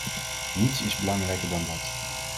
Niets is belangrijker dan dat.